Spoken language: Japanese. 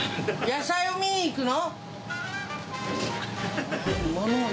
野菜を見に行くの？